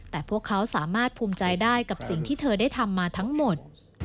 แต่พวกเขาสามารถภูมิใจได้กับสิ่งที่เธอได้ทำมาทั้งหมด